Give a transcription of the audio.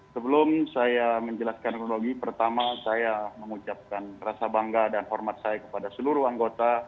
sebelum saya menjelaskan kronologi pertama saya mengucapkan rasa bangga dan hormat saya kepada seluruh anggota